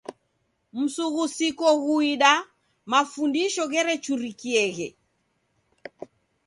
Msughusiko ghuida, mafundisho gherechurikieghe..